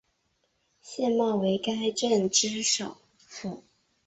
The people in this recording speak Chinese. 班茂为该镇之首府。